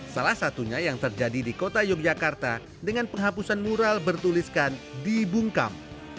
salah satunya yang terjadi di kota yogyakarta dengan penghapusan mural bertuliskan dibungkam